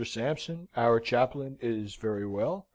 Sampson, our chaplain, is very well.